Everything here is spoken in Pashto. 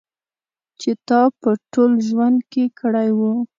چې تا په ټول ژوند کې کړی و.